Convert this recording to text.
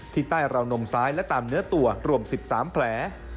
ใต้ราวนมซ้ายและตามเนื้อตัวรวม๑๓แผล